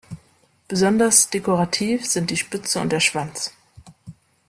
Besonders dekorativ sind die Spitze und der Schwanz.